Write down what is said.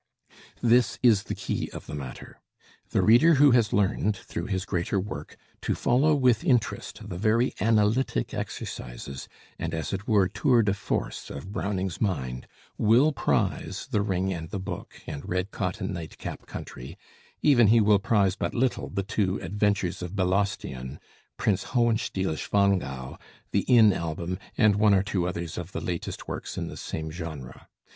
This is the key of the matter: the reader who has learned, through his greater work, to follow with interest the very analytic exercises, and as it were tours de force of Browning's mind, will prize 'The Ring and the Book' and 'Red Cotton Nightcap Country'; even he will prize but little the two 'Adventures of Balaustion,' 'Prince Hohenstiel Schwangau,' 'The Inn Album,' and one or two others of the latest works in the same genre.